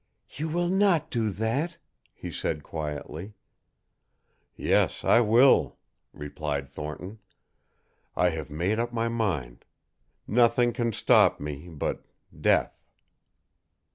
"You will not do that," he said quietly. "Yes, I will," replied Thornton. "I have made up my mind. Nothing can stop me but death."